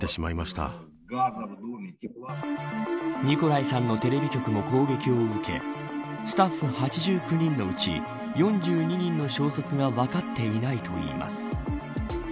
ニコライさんのテレビ局も攻撃を受けスタッフ８９人のうち４２人の消息が分かっていないといいます。